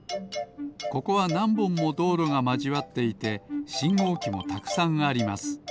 ここはなんぼんもどうろがまじわっていてしんごうきもたくさんあります。